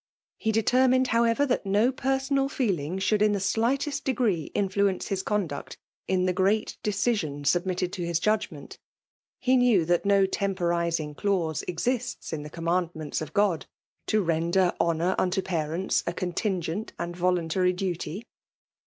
He determined, however, that no personal feeling should in the slightest degree influence his conduct in Ae great decision submitted to his judgment. He knew that no temporizing clause exists in the commandments of God, to render honour unto parents a contingent and volun^ tary duty.